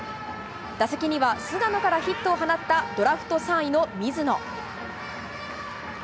打席には菅野からヒットを放ったドラフト３位の水野。